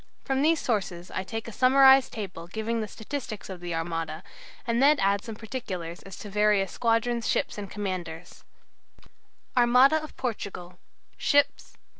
From these sources I take a summarized table giving the statistics of the Armada, and then add some particulars as to various squadrons, ships, and commanders: ++++++ Divisions. | Ships.